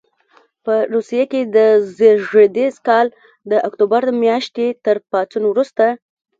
په روسیې کې د زېږدیز کال د اکتوبر میاشتې تر پاڅون وروسته.